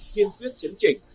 thiên quyết chiến trình